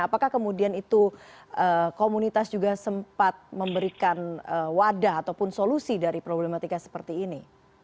apakah kemudian itu komunitas juga sempat memberikan wadah ataupun solusi dari problematika seperti ini